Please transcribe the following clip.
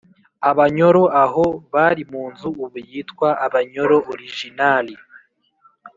abanyoro aho bari munzu ubu yitwa " abanyoro orijinali